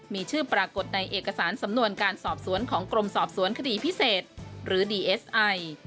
มีชื่อปรากฏในเอกสารสำนวนการสอบสวนของกรมสอบสวนคดีพิเศษหรือดีเอสไอ